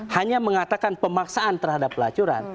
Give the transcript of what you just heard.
hanya mengatakan pemaksaan terhadap pelacuran